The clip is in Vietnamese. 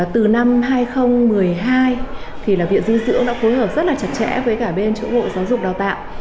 từ năm hai nghìn một mươi hai thì là viện dinh dưỡng đã phối hợp rất là chặt chẽ với cả bên chủ ngội giáo dục đào tạo